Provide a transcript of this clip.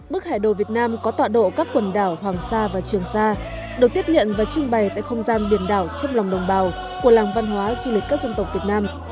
bức hải đồ việt nam có tọa độ các quần đảo hoàng sa và trường sa được tiếp nhận và trưng bày tại không gian biển đảo trong lòng đồng bào của làng văn hóa du lịch các dân tộc việt nam